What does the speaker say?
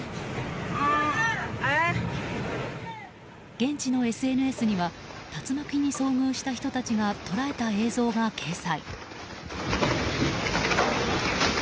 現地のＳＮＳには竜巻に遭遇した人たちが捉えた映像が掲載。